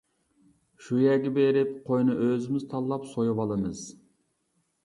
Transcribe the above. شۇ يەرگە بېرىپ قوينى ئوزىمىز تاللاپ سويۇۋالىمىز.